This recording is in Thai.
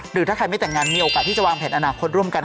หรือถ้าใครไม่แต่งงานมีโอกาสที่จะวางแผนอนาคตร่วมกัน